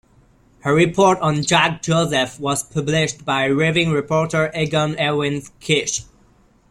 A report on Jacques Joseph was published by "raving reporter" Egon Erwin Kisch.